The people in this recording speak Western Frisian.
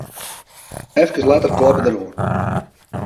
Efkes letter kloppe er oan.